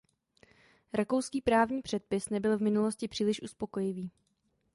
Rakouský právní předpis nebyl v minulosti příliš uspokojivý.